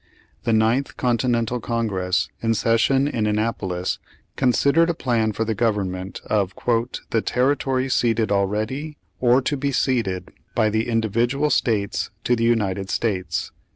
The Ninth Continental Congress, in session in Annapolis, considered a plan for the government of "the territory ceded already, or to be ceded, by the individual states to the United States."